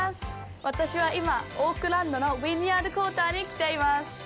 私は今、オークランドのウィンヤード・クォーターに来ています。